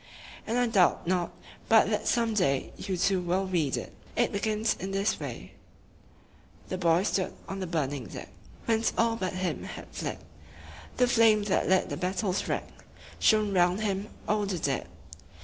I doubt not but that some day you too will read it. It begins in this way: "The boy stood on the burning deck Whence all but him had fled; The flame that lit the battle's wreck Shone round him o'er the dead.